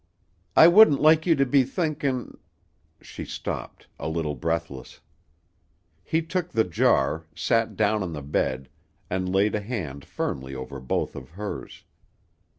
"I wouldn't like you to be thinkin' " She stopped, a little breathless. He took the jar, sat down on the bed, and laid a hand firmly over both of hers.